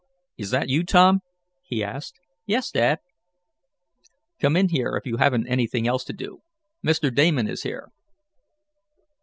"Is that you, Tom?" he asked. "Yes, Dad." "Come in here, if you haven't anything else to do. Mr. Damon is here."